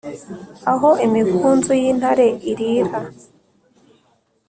aho imigunzu y’intare irīra